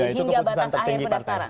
hingga batas akhir pendaftaran